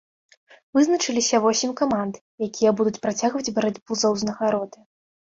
Вызначыліся восем каманд, якія будуць працягваць барацьбу за ўзнагароды.